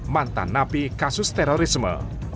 mantan napi kasus terorisme